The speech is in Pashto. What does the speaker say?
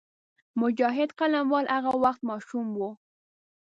مجاهد قلموال هغه وخت ماشوم وو.